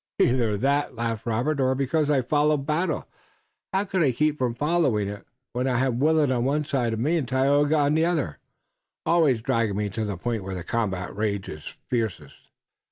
"Either that," laughed Robert, "or because I follow battle. How could I keep from following it, when I have Willet on one side of me and Tayoga on the other, always dragging me to the point where the combat rages fiercest?"